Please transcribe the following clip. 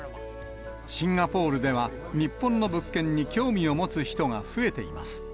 シンガポールでは日本の物件に興味を持つ人が増えています。